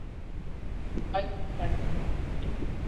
I would continue to kill.